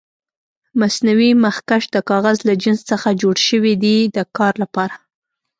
مصنوعي مخکش د کاغذ له جنس څخه جوړ شوي دي د کار لپاره.